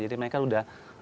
jadi mereka sudah ada impact